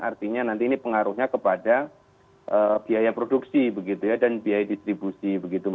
artinya nanti ini pengaruhnya kepada biaya produksi begitu ya dan biaya distribusi